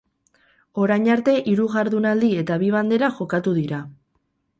Orain arte hiru jardunaldi eta bi bandera jokatu dira.